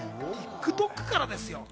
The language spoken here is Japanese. ＴｉｋＴｏｋからですよ。